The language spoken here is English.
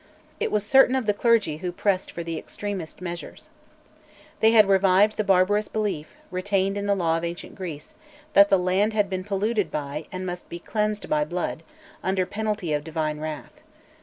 "It was certain of the clergy who pressed for the extremest measures." {186a} They had revived the barbarous belief, retained in the law of ancient Greece, that the land had been polluted by, and must be cleansed by, blood, under penalty of divine wrath.